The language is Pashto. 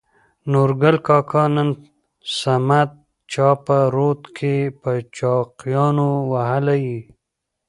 نورګل کاکا : نن صمد چا په رود کې په چاقيانو ووهلى.